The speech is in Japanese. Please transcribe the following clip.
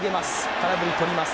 空振りとります。